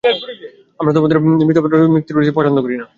আর তোমাদের গালমন্দ মৃত ব্যক্তির নিকট পৌঁছে না।